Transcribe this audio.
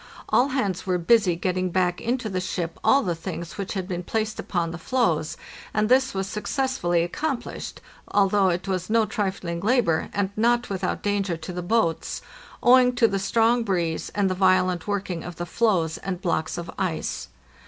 All hands were busy getting back into the ship all the things which had been placed upon the floes, and this was successfully accom plished, although it was no trifling labor, and not without danger to the boats, owing to the strong breeze and the violent working of the floes and blocks of ice.